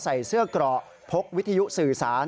ใส่เสื้อเกราะพกวิทยุสื่อสาร